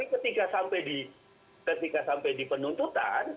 tetapi ketika sampai di penuntutan